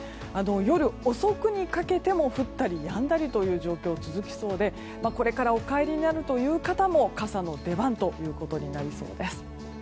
夜遅くにかけても降ったりやんだりという状況が続きそうでこれからお帰りになるという方も傘の出番ということになりそうです。